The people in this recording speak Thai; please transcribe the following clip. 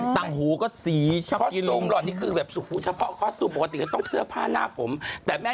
ตื่นเต้นมาก